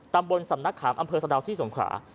ตำบลสำนักขามอำเภอสะดาวที่สงขรา